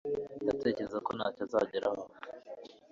Ndatekereza ko ntacyo azageraho